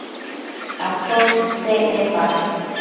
atotsi isec nepash?